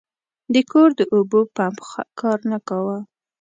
د کور د اوبو پمپ کار نه کاوه.